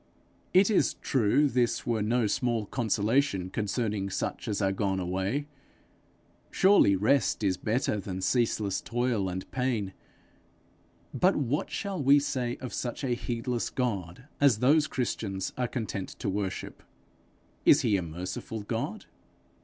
It is true this were no small consolation concerning such as are gone away! Surely rest is better than ceaseless toil and pain! But what shall we say of such a heedless God as those Christians are content to worship! Is he a merciful God?